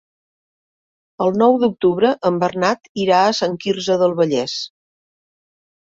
El nou d'octubre en Bernat irà a Sant Quirze del Vallès.